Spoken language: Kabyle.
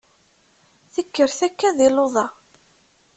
Tekker takka di luḍa!